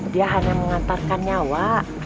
dia hanya mengantarkan nyawa